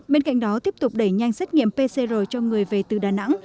bên cạnh đó tiếp tục đẩy nhanh xét nghiệm pcr cho người về từ đà nẵng